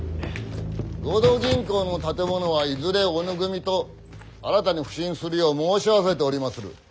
合同銀行の建物はいずれ小野組と新たに普請するよう申し合わせておりまする。